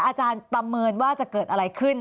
อาจารย์ประเมินว่าจะเกิดอะไรขึ้น